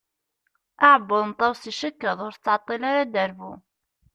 Aɛebbuḍ n Tawes icekkeḍ, ur tettɛeṭṭil ara ad d-terbu.